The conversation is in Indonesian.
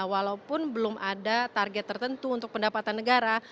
walaupun belum ada target tertentu untuk pendapatan negara